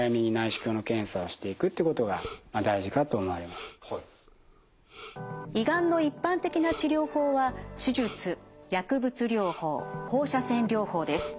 ですから胃がんの一般的な治療法は手術薬物療法放射線療法です。